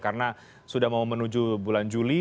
karena sudah mau menuju bulan juli